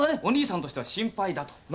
お兄さんとしては心配だと。